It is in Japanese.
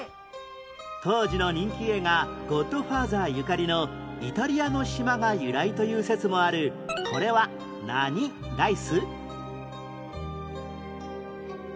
当時の人気映画『ゴッドファーザー』ゆかりのイタリアの島が由来という説もあるこれは何ライス？